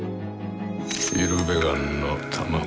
イルベガンの卵。